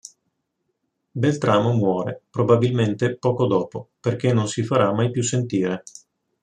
Beltramo muore, probabilmente, poco dopo, perché non si farà mai più sentire.